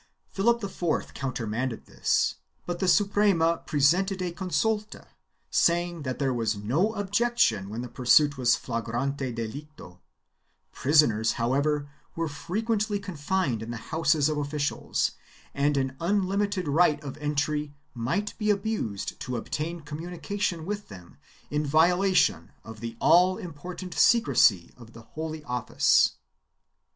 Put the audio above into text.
Philip IV countermanded this, but the Suprema presented a consul ta saying that there was no objection when the pursuit was fiagrante delicto; prisoners, however, were frequently confined in the houses of officials and an unlimited right of entry might be abused to obtain communication with them in violation of the all important secrecy of the Holy Office.